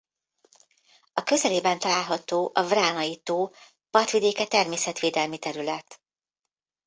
A közelében található a Vránai-tó partvidéke természetvédelmi terület.